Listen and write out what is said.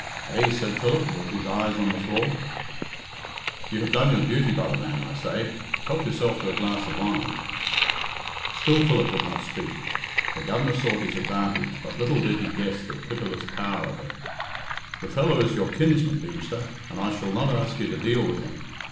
"Eh?" said Philip, with his eyes on the floor. "You have done your duty by the man, I say. Help yourself to a glass of wine." Still Philip did not speak. The Governor saw his advantage, but little did he guess the pitiless power of it. "The fellow is your kinsman, Deemster, and I shall not ask you to deal with him.